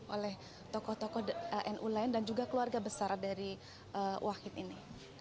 oleh tokoh tokoh nu lain dan juga keluarga besar dari wahid ini